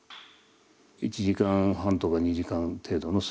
１時間半とか２時間程度の睡眠で。